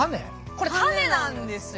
これタネなんですよ。